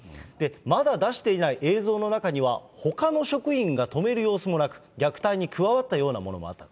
まだ出していない映像の中には、ほかの職員が止める様子もなく、虐待に加わったようなものもあったと。